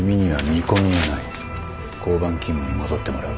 交番勤務に戻ってもらう。